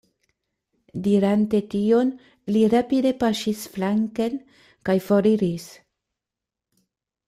Dirante tion, li rapide paŝis flanken kaj foriris.